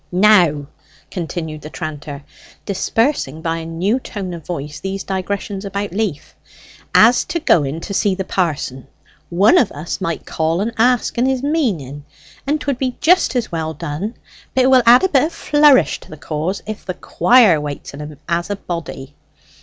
"Now," continued the tranter, dispersing by a new tone of voice these digressions about Leaf; "as to going to see the pa'son, one of us might call and ask en his meaning, and 'twould be just as well done; but it will add a bit of flourish to the cause if the quire waits on him as a body.